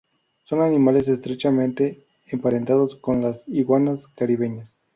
Son animales estrechamente emparentados con las iguanas caribeñas.